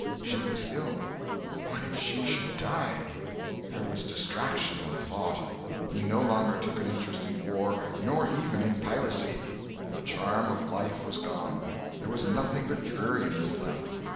She was ill. What if she should die! There was distraction in the thought. He no longer took an interest in war, nor even in piracy. The charm of life was gone; there was nothing but dreariness left.